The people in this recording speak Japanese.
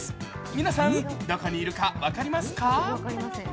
皆さん、どこにいるか分かりますか？